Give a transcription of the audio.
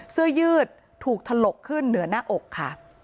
เสื้อยืดถูกถลกขึ้นเหนือหน้าอกค่ะ